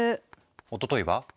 おとといは？